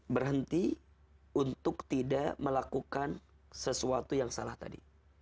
berhenti untuk tidak melakukan sesuatu yang salah tadi